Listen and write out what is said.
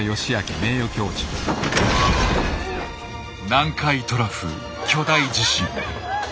南海トラフ巨大地震。